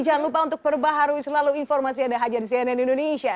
jangan lupa untuk perbaharui selalu informasi anda hanya di cnn indonesia